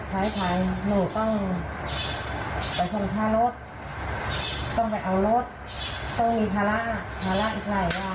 ใช่หนูกระดอกพ่อแล้วหนูต้องใช้อะไรหน้า